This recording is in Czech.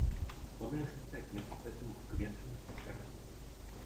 Vonné žluté květy kvetou v květnu nebo červnu.